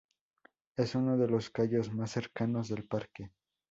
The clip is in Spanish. Es uno de los cayos más cercanos del parque.